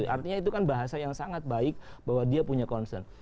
artinya itu kan bahasa yang sangat baik bahwa dia punya concern